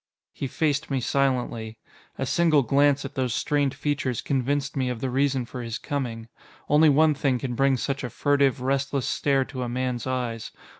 He faced me silently. A single glance at those strained features convinced me of the reason for his coming. Only one thing can bring such a furtive, restless stare to a man's eyes.